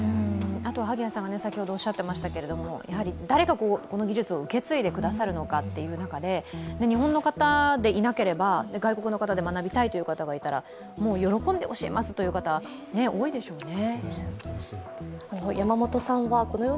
あと萩谷さんが先ほどおっしゃっていましたけれども、誰がこの技術を受け継いでくださるのかということで、日本の方でいなければ、外国の方で学びたいという方がいたらもう喜んで教えますという人、多いでしょうね。